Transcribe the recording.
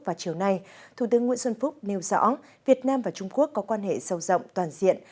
vào chiều nay thủ tướng nguyễn xuân phúc nêu rõ việt nam và trung quốc có quan hệ sâu rộng toàn diện